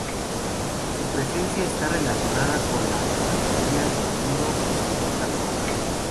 Su presencia está relacionada con la anatomía del nudo que soporta la hoja.